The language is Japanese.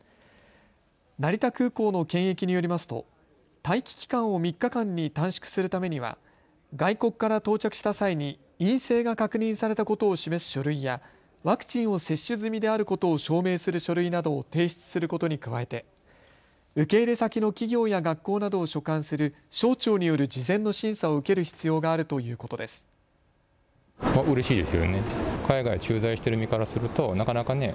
成田空港の検疫によりますと待機期間を３日間に短縮するためには外国から到着した際に陰性が確認されたことを示す書類やワクチンを接種済みであることを証明する書類などを提出することに加えて受け入れ先の企業や学校などを所管する省庁による事前の審査を受ける必要があるということです。